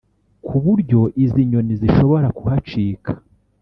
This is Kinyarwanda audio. ku buryo izi nyoni zishobora kuhacika